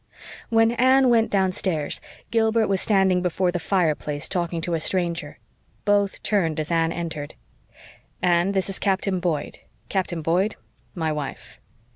When Anne went downstairs Gilbert was standing before the fireplace talking to a stranger. Both turned as Anne entered. "Anne, this is Captain Boyd. Captain Boyd, my wife."